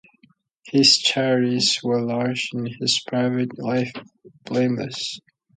His charities were large and his private life blameless.